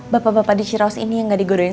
bapak bapak di ciraus ini yang gak digodain